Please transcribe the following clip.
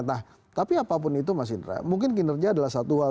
nah tapi apapun itu mas indra mungkin kinerja adalah satu hal